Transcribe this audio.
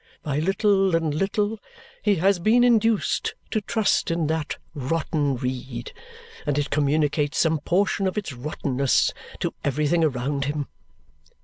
By little and little he has been induced to trust in that rotten reed, and it communicates some portion of its rottenness to everything around him.